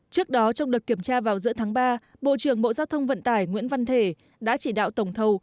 trước đó trong đợt kiểm tra vào giữa tháng ba bộ trưởng bộ giao thông vận tải nguyễn văn thể đã chỉ đạo tổng thầu